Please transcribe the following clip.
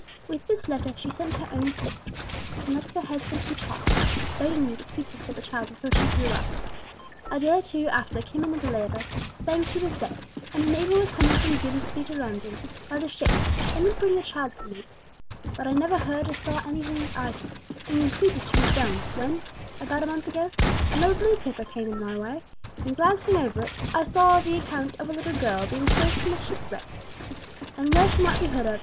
With this letter she sent her own portrait, and that of her husband and child, begging me to keep them for the child until she grew up. A day or two after came another letter, saying she was dead, and a neighbour was coming from Grimsby to London by ship, and would bring the child to me; but I never heard or saw anything of either, and concluded she was drowned, when, about a month ago, an old newspaper came in my way, and glancing over it, I saw the account of a little girl being saved from a wreck, and where she might be heard of.